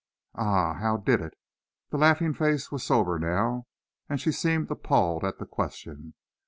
"Ah, how did it?" The laughing face was sober now and she seemed appalled at the question.